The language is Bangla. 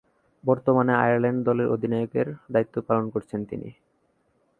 বর্তমানে আয়ারল্যান্ড দলের অধিনায়কের দায়িত্ব পালন করছেন তিনি।